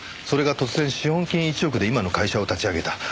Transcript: それが突然資本金１億で今の会社を立ち上げた。